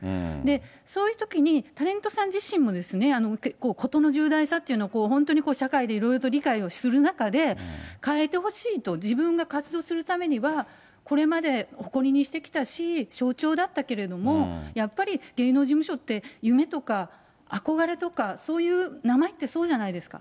そういうときに、タレントさん自身も事の重大さっていうのを、本当に社会でいろいろと理解をする中で、変えてほしいと、自分が活動するためには、これまで誇りにしてきたし、象徴だったけれども、やっぱり芸能事務所って、夢とか憧れとか、そういう、名前ってそうじゃないですか。